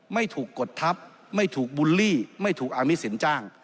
ไม่ถูกกดทัพไม่ถูกบูลลี่ไม่ถูกอามิตสินจ้าง